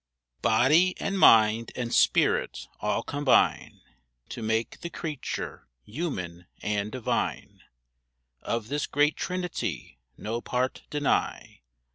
BODY and mind, and spirit, all combine To make the Creature, human and divine. Of this great trinity no part deny.